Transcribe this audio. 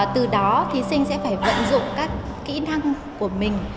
từ đó thí sinh sẽ phải vận dụng các kỹ năng của mình